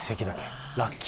ラッキー。